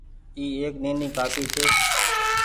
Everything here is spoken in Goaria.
اي ايڪ نيني ڪآپي ڇي۔